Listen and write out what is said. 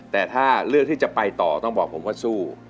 แต่ถ้าเลือกที่จะไปต่อต้องบอกผมว่าสู้